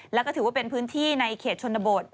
แล้วก็ถือว่าเป็นพื้นที่ในเขตชนบท